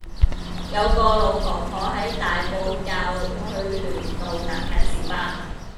有個老婆婆喺大埔滘翠巒路等緊小巴